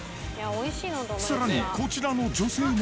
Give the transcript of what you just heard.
さらに、こちらの女性も。